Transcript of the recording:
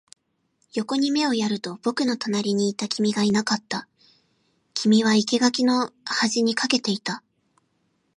横に目をやると、僕の隣にいた君がいなかった。君は生垣の端に駆けていた。